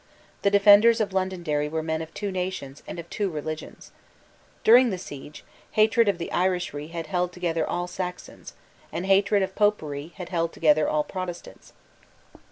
The defenders of Londonderry were men of two nations and of two religions. During the siege, hatred of the Irishry had held together all Saxons; and hatred of Popery had held together all Protestants.